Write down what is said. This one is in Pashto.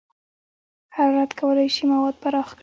حرارت کولی شي مواد پراخ کړي.